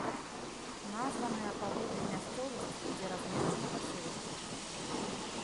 Названая паводле мясцовасці, дзе размешчана паселішча.